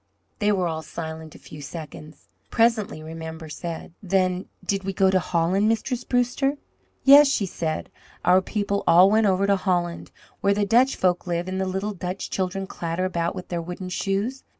They were all silent a few seconds. Presently Remember said: "Then did ye go to Holland, Mistress Brewster?" "Yes," she said. "Our people all went over to Holland, where the Dutch folk live and the little Dutch children clatter about with their wooden shoes.